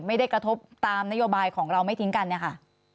ไม่ได้กระทบตามนโยบายของเราไม่ทิ้งกันเนี่ยค่ะ